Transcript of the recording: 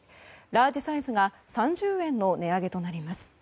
ラージサイズが３０円の値上げとなります。